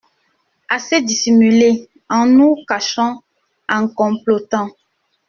Assez dissimulé, en nous cachant, en complotant!